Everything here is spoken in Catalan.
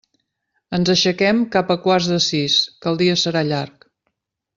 Ens aixequem cap a quarts de sis, que el dia serà llarg.